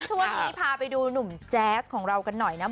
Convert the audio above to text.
ช่วงนี้พาไปดูหนุ่มแจ๊สของเรากันหน่อยนะ